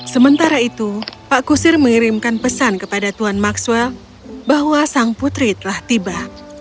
sementara itu pak kusir mengirimkan pesan kepada tuhan maxwell bahwa sang putri telah tiba